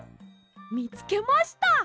みつけました！